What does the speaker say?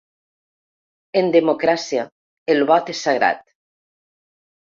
En democràcia el vot és sagrat.